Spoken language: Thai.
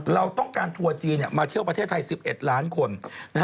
เราต้องการทัวร์จีนมาเที่ยวประเทศไทย๑๑ล้านคน